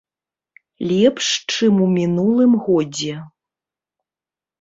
Лепш, чым у мінулым годзе.